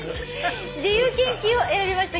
「自由研究」を選びました